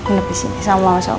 menepis ini sama sama